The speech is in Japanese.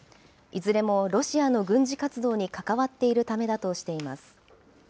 いずれもロシアの軍事活動に関わっているためだとしています。